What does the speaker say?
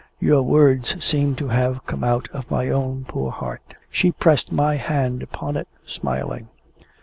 Your words seem to have come out of my own poor heart." She pressed my hand upon it, smiling.